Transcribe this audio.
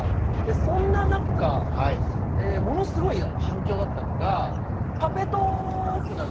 でそんな中ものすごい反響だったのが「パペトーーク！」